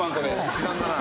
刻んだな。